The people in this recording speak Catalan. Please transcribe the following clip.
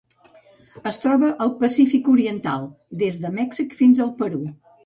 Es troba al Pacífic oriental: des de Mèxic fins al Perú.